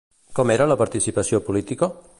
Com era la participació política?